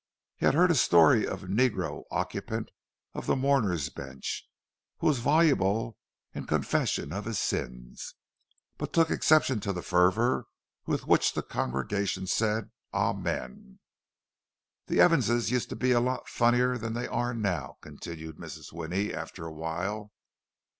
He had heard a story of a negro occupant of the "mourners' bench," who was voluble in confession of his sins, but took exception to the fervour with which the congregation said "Amen!" "The Evanses used to be a lot funnier than they are now," continued Mrs. Winnie, after a while.